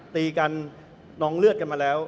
ตีกันนองเลือดกันมาแล้ว